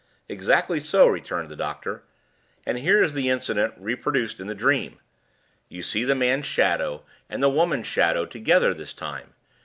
"Exactly so," returned the doctor. "And here is the incident reproduced in the dream. You see the man's shadow and the woman's shadow together this time.